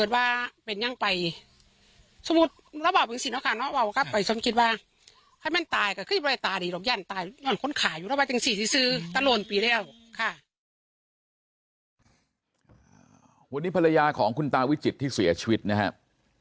วันนี้ภรรยาของคุณตาวิจิตที่เสียชีวิตนะครับ